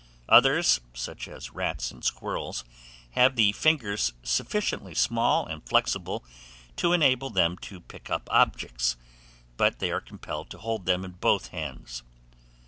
Others, such as Rats and Squirrels, have the fingers sufficiently small and flexible to enable them to pick up objects; but they are compelled to hold them in both hands.